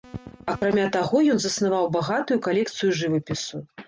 Акрамя таго ён заснаваў багатую калекцыю жывапісу.